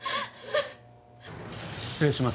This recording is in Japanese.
失礼します。